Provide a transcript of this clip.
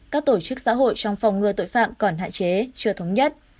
các tổ chức xã hội trong phòng ngừa tội phạm còn hạn chế chưa thống nhất